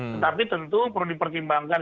tetapi tentu perlu dipertimbangkan